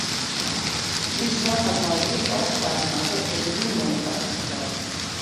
Fryslân hat mei it ryk ôfspraken makke oer de wynmûnekapasiteit.